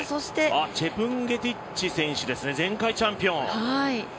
チェプンゲティッチ選手前回チャンピオン。